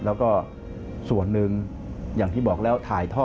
แล้วก็ส่วนหนึ่งอย่างที่บอกแล้ว